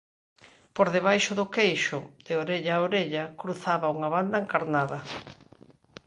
Por debaixo do queixo, de orella a orella, cruzaba unha banda encarnada.